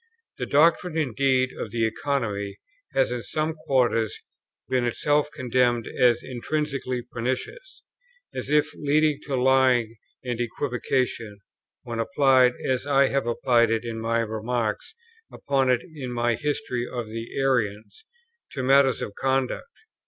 The doctrine indeed of the Economy has in some quarters been itself condemned as intrinsically pernicious, as if leading to lying and equivocation, when applied, as I have applied it in my remarks upon it in my History of the Arians, to matters of conduct.